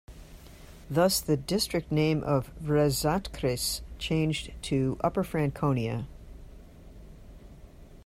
Thus the district name of Rezatkreis changed to Upper Franconia.